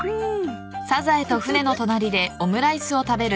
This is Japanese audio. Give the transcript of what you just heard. うん？